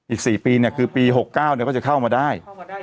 อีก๔ปีคือปี๖๙ก็จะเข้ามาได้